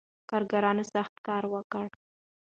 کارګرانو سخت کار وکړ.